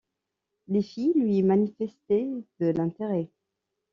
Les filles lui manifestaient de l’intérêt.